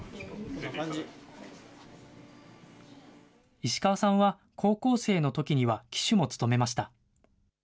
石川さんは、高校生のときには騎手も務めました。